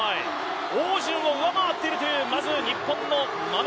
汪順を上回っているという日本の眞野。